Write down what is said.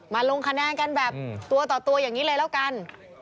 ลงคะแนนกันแบบตัวต่อตัวอย่างนี้เลยแล้วกัน